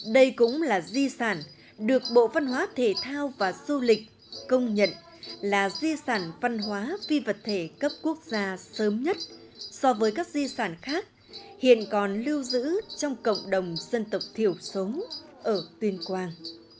đây cũng là di sản được bộ văn hóa thể thao và du lịch công nhận là di sản văn hóa phi vật thể cấp quốc gia sớm nhất so với các di sản khác hiện còn lưu giữ trong cộng đồng dân tộc thiểu số ở tuyên quang